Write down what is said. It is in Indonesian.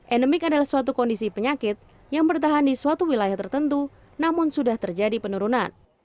endemik adalah suatu kondisi penyakit yang bertahan di suatu wilayah tertentu namun sudah terjadi penurunan